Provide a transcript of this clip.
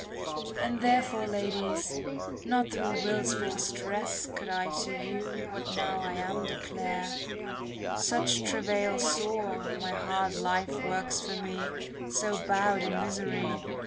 And therefore, ladies, not through will's full stress Could I to you what now I am declare; Such travail sore my hard life works for me, *^ So bowed in misery.